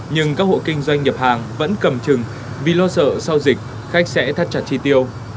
nhưng các hộ kinh doanh nhập hàng vẫn cầm chừng vì lo sợ sau dịch khách sẽ thắt chặt chi tiêu